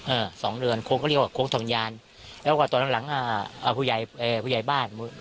เออ๒เดือนโค้งก็เรียกว่าโค้งธรรมิญาณแล้วก็ตอนหลังผู้ใหญ่บ้าน